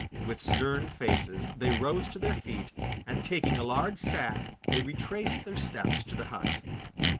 With stern faces they rose to their feet, and taking a large sack they retraced their steps to the hut.